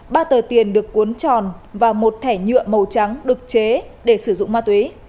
ba tờ tiền được cuốn tròn và một thẻ nhựa màu trắng được chế để sử dụng ma túy